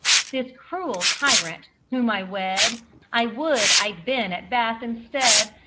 This cruel tyrant, whom I wed (I would I'd been at Bath instead!)